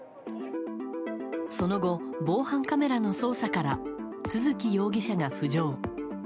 その後、防犯カメラの捜査から都築容疑者が浮上。